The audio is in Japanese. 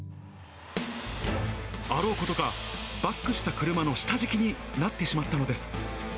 あろうことか、バックした車の下敷きになってしまったのです。